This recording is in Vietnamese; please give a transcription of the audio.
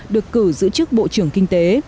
được cử giữ chức bộ trưởng kinh tế